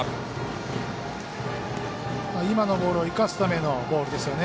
今のボールを生かすためのボールですよね。